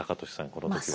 この時は。